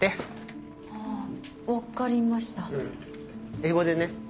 英語でね。